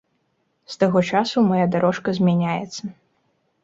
З таго часу мая дарожка змяняецца.